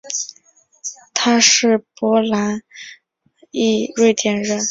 他是波兰裔瑞典人。